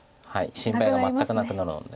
心配が全くなくなるので。